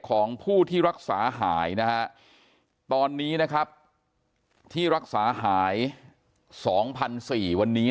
ของผู้ที่รักษาหายนะฮะตอนนี้นะครับที่รักษาหาย๒๔๐๐วันนี้